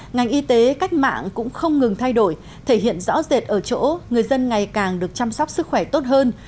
ngành y tế cách mạng cũng không ngừng thay đổi thể hiện rõ rệt ở chỗ người dân ngày càng được chăm sóc sức khỏe tốt hơn